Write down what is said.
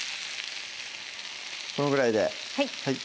このぐらいではい